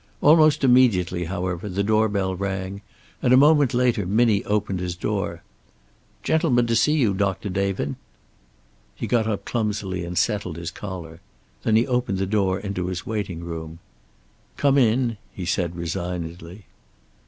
Almost immediately, however, the doorbell rang, and a moment later Minnie opened his door. "Gentleman to see you, Doctor David." He got up clumsily and settled his collar. Then he opened the door into his waiting room. "Come in," he said resignedly.